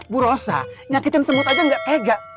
bu rosa nyakitin semut aja nggak tega